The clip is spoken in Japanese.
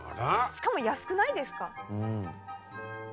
しかも安くないですか？